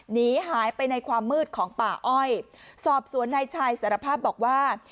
หนีหายไปในความมืดของป่าอ้อยสอบสวนนายชายสารภาพบอกว่า